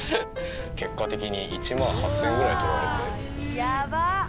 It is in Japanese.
結果的に１万８０００円ぐらい取られて。